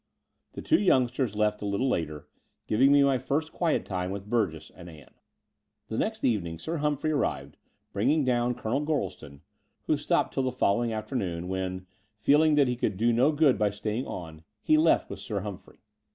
The two youngsters left a little later, giving me my first quiet time with Burgess and Ann. The next evening Sir Htimphrey arrived, bring ing down Colonel Gorleston, who stopped till the following afternoon, when, feeling that he The Brighton Road 97 could do no good by staying on, he left with Sir Humphrey.